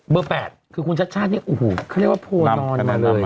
เบอร์แปดคือคุณชัดนี่อู้หูเขาเรียกว่าโพงสลอนมาเลย